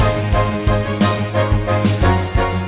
eh ada rompis